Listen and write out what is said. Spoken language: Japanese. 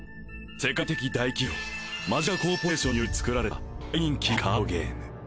世界的大企業マジカコーポレーションにより作られた大人気カードゲーム